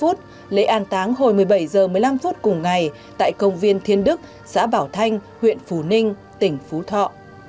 hồi một mươi ba h năm lễ an táng hồi một mươi bảy h một mươi năm cùng ngày tại công viên thiên đức xã bảo thanh huyện phù ninh tỉnh phú thọ